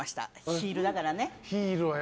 ヒールだからね。